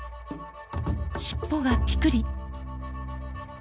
尻尾がピクリ。